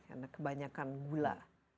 karena kebanyakan gula